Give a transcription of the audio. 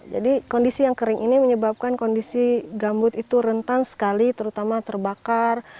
jadi kondisi yang kering ini menyebabkan kondisi gambut itu rentan sekali terutama terbakar